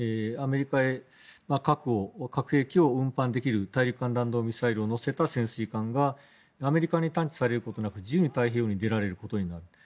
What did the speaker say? アメリカへ核兵器を運搬できる大陸間弾道ミサイルを載せた潜水艦がアメリカに探知されることなく自由に太平洋に出られることになる。